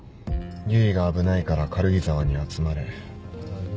「唯が危ないから軽井沢に集まれ」あぁ。